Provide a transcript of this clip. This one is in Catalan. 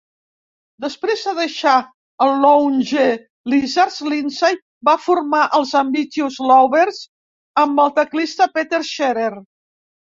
Després de deixar els Lounge Lizards, Lindsay va formar els Ambitious Lovers amb el teclista Peter Scherer.